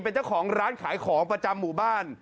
เป็นเจ้าของร้านขายของประจำหมู่บ้าน